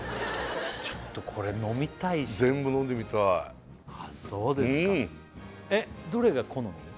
ちょっとこれ飲みたいっしょ全部飲んでみたいああそうですかえっどれが好み？